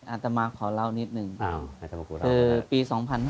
อาตมากขอเล่านิดนึงคือปี๒๕๕๔